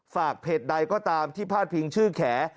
ฝากเพจใดก็ตามที่พาดพิงชื่อแข